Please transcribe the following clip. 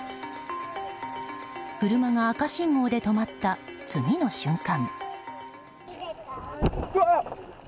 車が赤信号で止まった、次の瞬間。